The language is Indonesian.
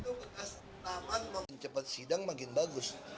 pertama kekas taman membuat kecepatan sidang makin bagus